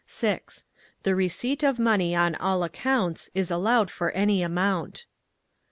6. The receipt of money on all accounts is allowed for any amount.